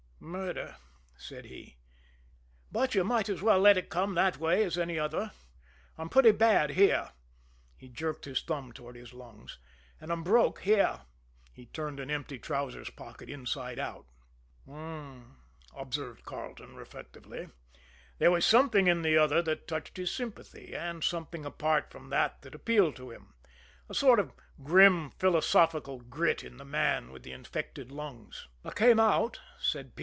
"Murder," said he. "But you might as well let it come that way as any other. I'm pretty bad here" he jerked his thumb toward his lungs "and I'm broke here" he turned an empty trouser's pocket inside out. "H'm!" observed Carleton reflectively. There was something in the other that touched his sympathy, and something apart from that that appealed to him a sort of grim, philosophical grit in the man with the infected lungs. "I came out," said P.